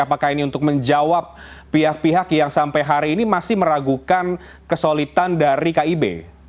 apakah ini untuk menjawab pihak pihak yang sampai hari ini masih meragukan kesulitan dari kib